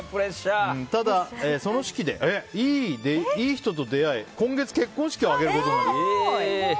ただ、その式でいい人と出会え今月、結婚式を挙げることに。